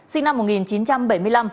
sinh năm một nghìn chín trăm bảy mươi năm